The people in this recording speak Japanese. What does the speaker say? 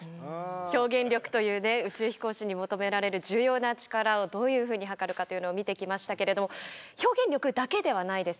表現力というね宇宙飛行士に求められる重要な力をどういうふうに測るかというのを見てきましたけれども表現力だけではないですよね。